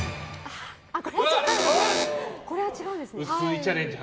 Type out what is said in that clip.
これは違うんですね。